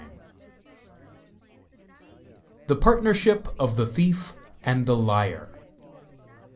The Partnership of the Thief and the Liar.